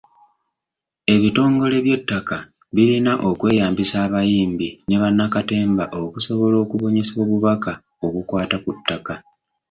Ebitongole by'ettaka birina okweyambisa abayimbi ne bannakatemba okusobola okubunyisa obubaka obukwata ku ttaka.